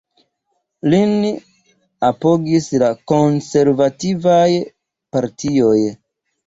Lin apogis la konservativaj partioj.